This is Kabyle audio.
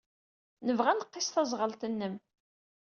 Nebɣa ad nqiss taẓɣelt-nnem.